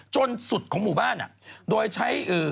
จนสุดของหมู่บ้านโดยใช้